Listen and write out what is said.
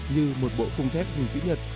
như một bộ phung thép hình chữ nhật